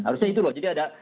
harusnya itu loh jadi ada